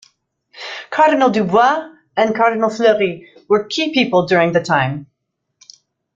Cardinal Dubois and Cardinal Fleury were key people during the time.